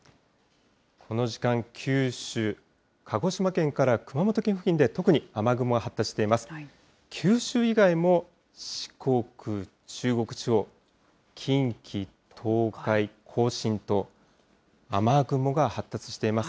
この時間、九州・鹿児島県から熊本県付近で、特に雨雲が発達しています。